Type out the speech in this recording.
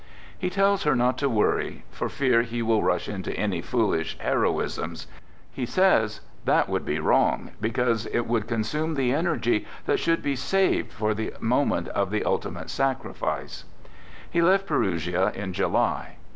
He tells her not to worry for fear he will rush into any foolish " hero isms." He says :" That would be wrong, because it would consume the energy that should be saved for the moment of the ultimate sacrifice." He left Perugia in July.